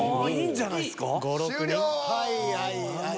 はいはいはいはい。